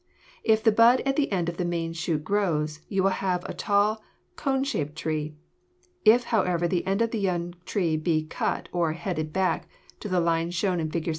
If the bud at the end of the main shoot grows, you will have a tall, cone shaped tree. If, however, the end of the young tree be cut or "headed back" to the lines shown in Fig.